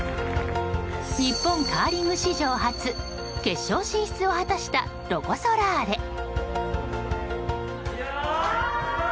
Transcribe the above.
日本カーリング史上初決勝進出を果たしたロコ・ソラーレ。